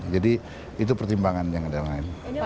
jadi itu pertimbangan yang ada di lain